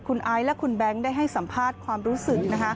คุณไอซ์และคุณแบงค์ได้ให้สัมภาษณ์ความรู้สึก